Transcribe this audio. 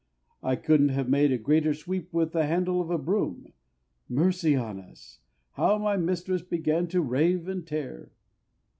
I couldn't have made a greater sweep with the handle of the broom. Mercy on us! how my mistress began to rave and tear!